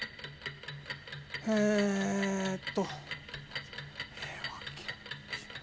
えーっと。